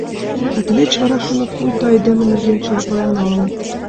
Да тылеч вара шонат, пуйто айдеме нерген чыла пален налыныт.